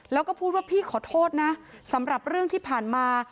แล้วก็พูดว่าพี่ขอโทษนะสำหรับเรื่องที่ผ่านมา